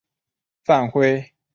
范晖向威胜节度使董昌求援。